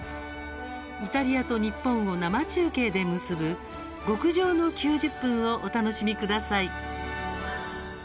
イタリアと日本を生中継で結ぶ極上の９０分をお楽しみください。